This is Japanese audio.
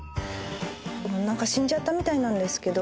何か死んじゃったみたいなんですけど。